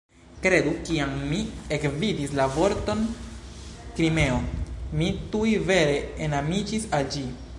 Kredu, kiam mi ekvidis la vorton "Krimeo" mi tuj vere enamiĝis al ĝi.